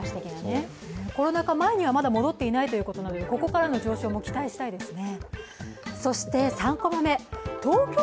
コロナ禍前までは戻っていないということでここからの上昇も期待したいですね。